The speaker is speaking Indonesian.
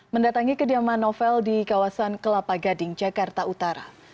mendatangi kediaman novel di kawasan kelapa gading jakarta utara